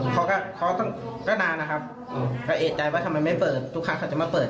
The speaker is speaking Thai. คือบกเรียกให้ตื่น